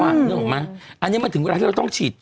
อันนี้มันถึงเวลาที่เราต้องฉีด